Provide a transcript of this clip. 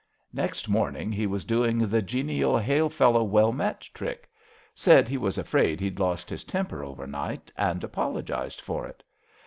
*' Next morning he was doing the genial, hail fellow well met trick. Said he was afraid he'd lost his temper overnight, and apologised for it.